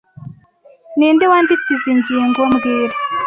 Ninde wanditse izoi ngingo mbwira